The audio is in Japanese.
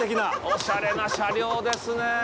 おしゃれな車両ですね！